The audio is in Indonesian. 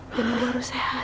dan ibu harus sehat